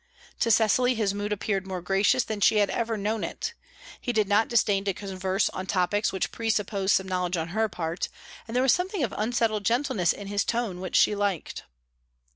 To Cecily his mood appeared more gracious than she had ever known it; he did not disdain to converse on topics which presupposed some knowledge on her part, and there was something of unusual gentleness in his tone which she liked.